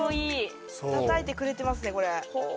たたいてくれてますねこれ。